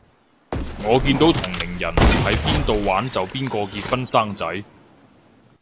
我見到同齡人唔係邊到玩就邊個結婚生仔